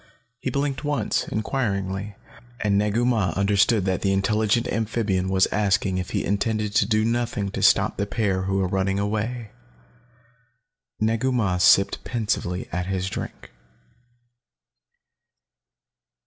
He blinked once, inquiringly, and Negu Mah understood that the intelligent amphibian was asking if he intended to do nothing to stop the pair who were running away. Negu Mah sipped pensively at his drink.